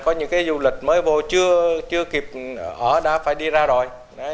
có những cái du lịch mới bồ chưa kịp họ đã phải đi ra rồi